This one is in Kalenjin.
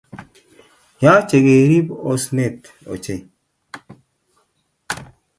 Yache kerib osenet ochei